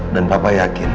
dan papa yakin